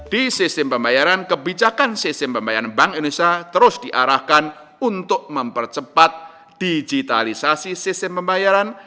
di sistem pembayaran kebijakan sistem pembayaran bank indonesia terus diarahkan untuk mempercepat digitalisasi sistem pembayaran